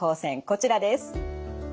こちらです。